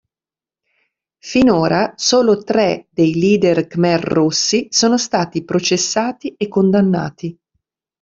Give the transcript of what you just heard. Finora solo tre dei leader Khmer Rossi sono stati processati e condannati.